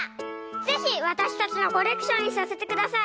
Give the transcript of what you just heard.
ぜひわたしたちのコレクションにさせてください。